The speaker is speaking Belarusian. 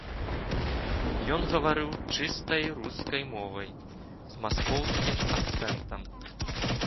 Ён гаварыў чыстай рускай мовай, з маскоўскім акцэнтам.